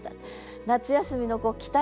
夏休みの期待感